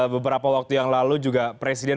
beberapa waktu yang lalu juga presiden